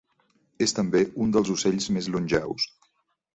És també un dels ocells més longeus.